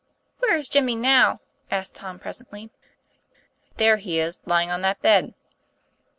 "Where is Jimmy now?" asked Tom, presently. " There he is lying on that bed."